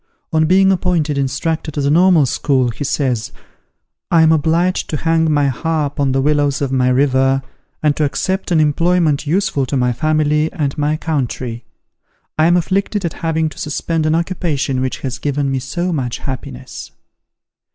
On being appointed Instructor to the Normal School, he says, "I am obliged to hang my harp on the willows of my river, and to accept an employment useful to my family and my country. I am afflicted at having to suspend an occupation which has given me so much happiness."